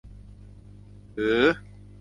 หือ ?